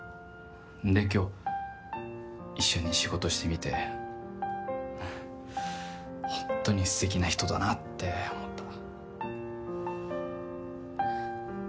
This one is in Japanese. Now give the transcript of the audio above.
で、今日一緒に仕事してみて本当に素敵な人だなって思った。